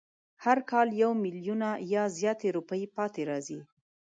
هر کال یو میلیونه یا زیاتې روپۍ پاتې راځي.